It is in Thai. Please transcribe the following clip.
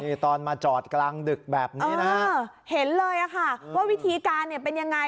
นี่ตอนมาจอดกลางดึกแบบนี้นะฮะเห็นเลยอะค่ะว่าวิธีการเนี่ยเป็นยังไง